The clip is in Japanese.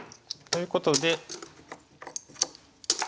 ということで。